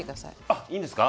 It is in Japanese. あっいいんですか？